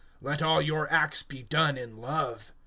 (14)Let all your acts be done in love.